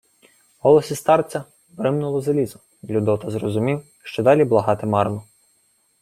В голосі старця бримнуло залізо, й Людота зрозумів, що далі благати марно.